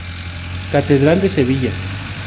Catedral de Sevilla.